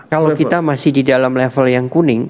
kalau kita masih di dalam level yang kuning